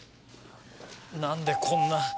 何でこんな。